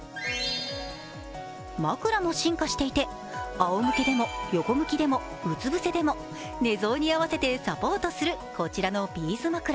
枕も進化していて、あおむけでも横向きでも、うつ伏せでも、寝相に合わせてサポートするこちらのビーズ枕。